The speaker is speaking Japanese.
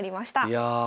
いや。